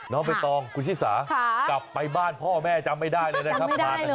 น้องเบตตองกูชิศากลับไปบ้านพ่อแม่จำไม่ได้เลยนะครับ